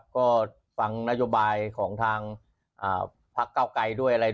ก็ฟังนโยบายของทางภาคเก้าไก่ด้วย